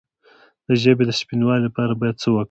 د ژبې د سپینوالي لپاره باید څه وکړم؟